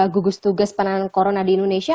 gugus tugas penanganan corona di indonesia